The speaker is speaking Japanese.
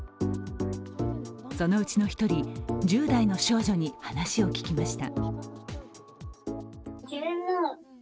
そのうちの１人、１０代の少女に話を聞きました。